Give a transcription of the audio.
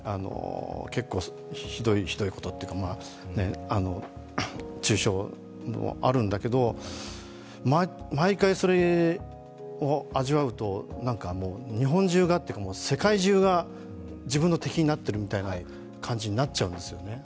結構ひどいことっていうか中傷もあるんだけど毎回、それを味わうと日本中がっていうか世界中が自分の敵になってるっていう感じになっちゃうんですよね。